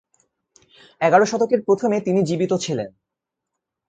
এগার শতকের প্রথমে তিনি জীবিত ছিলেন।